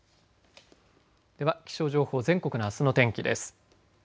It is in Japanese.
では気象情報全国のあすの天気です。